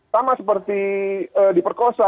sama seperti diperkosa